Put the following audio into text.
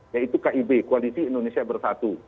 yaitu kib koalisi indonesia bersatu